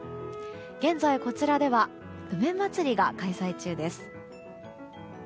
現在こちらでは梅まつりが開催中です。